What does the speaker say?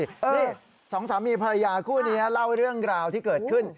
นี่สองสามีภรรยาคู่นี้เล่าเรื่องราวที่เกิดขึ้น